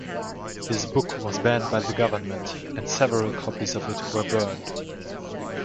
His book was banned by the government, and several copies of it were burned.